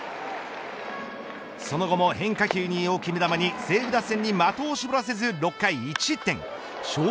その後も変化球を決め球に西武打線に的を絞らせず６回１失点。